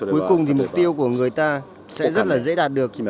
cuối cùng thì mục tiêu của người ta sẽ rất là dễ đạt được